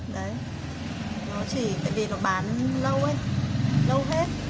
đấy nó chỉ tại vì nó bán lâu ấy lâu hết